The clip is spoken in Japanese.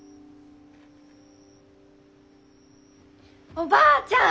おばあちゃん